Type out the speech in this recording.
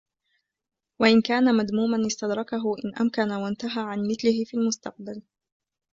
وَإِنْ كَانَ مَذْمُومًا اسْتَدْرَكَهُ إنْ أَمْكَنَ وَانْتَهَى عَنْ مِثْلِهِ فِي الْمُسْتَقْبَلِ